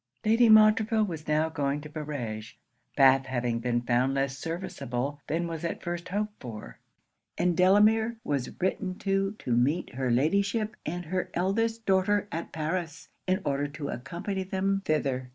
Lady Montreville was now going to Barege, Bath having been found less serviceable than was at first hoped for; and Delamere was written to to meet her Ladyship and her eldest daughter at Paris, in order to accompany them thither.